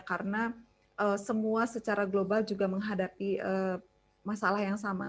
karena semua secara global juga menghadapi masalah yang sama